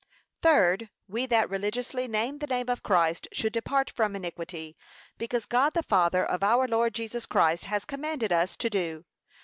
Third, We that religiously name the name of Christ, should depart from iniquity, because God the Father of our Lord Jesus Christ has commanded us to do.